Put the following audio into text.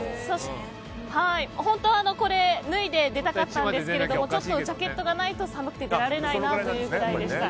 本当はこれを脱いで出たかったんですがちょっとジャケットがないと寒くて出れないなという感じでした。